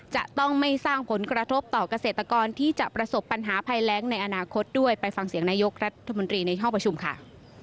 จะต้องไม่สร้างผลกระทบต่อเกษตรกรที่จะประสบปัญหาภัยแรงในอนาคตด้วยไปฟังเสียงนายกรัฐมนตรีในห้องประชุมค่ะ